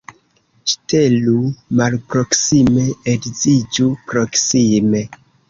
Ŝtelu malproksime, edziĝu proksime.